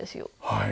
はい。